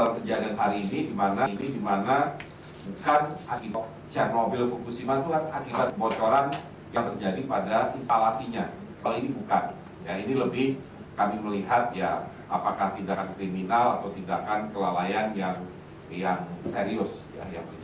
bambang juga memuji kinerja badan tenaga nuklir yang telah mendeteksi paparan radioaktif